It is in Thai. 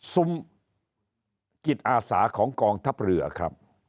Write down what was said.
ซุ้มจิตอาสาของกองทัพเรือครับ